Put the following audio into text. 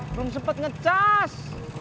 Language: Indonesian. belum sempet ngecas